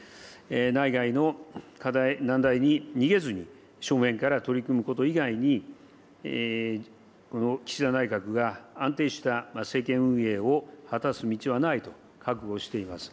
内外の課題、難題に逃げずに正面から取り組むこと以外に、岸田内閣が安定した政権運営を果たす道はないと、覚悟しています。